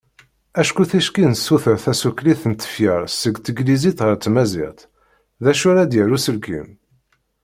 Acku ticki nessuter tasuqlit n tefyar seg teglizit ɣer tmaziɣt, d acu ara d-yerr uselkim?